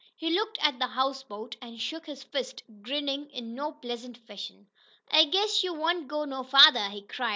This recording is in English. He looked at the houseboat, and shook his fist, grinning in no pleasant fashion. "I guess you won't go no farther!" he cried.